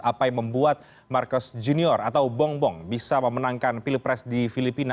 apa yang membuat marcos junior atau bongbong bisa memenangkan pilpres di filipina